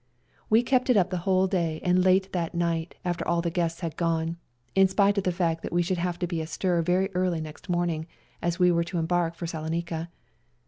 We kept it up the whole day and late that night after all the guests had gone, in spite of the fact that we should have to be astir very early next morning, as we were to embark for Salonica.